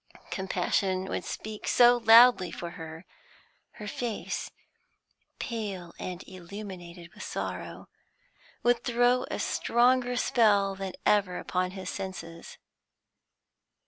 Compassion would speak so loudly for her; her face, pale and illuminated with sorrow, would throw a stronger spell than ever upon his senses.